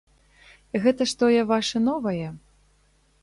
Гэта ж тое ваша новае?